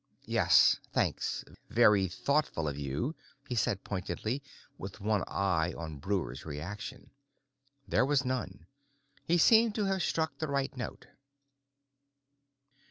"Yes. Thanks. Very thoughtful of you," he said pointedly, with one eye on Breuer's reaction. There was none; he seemed to have struck the right note.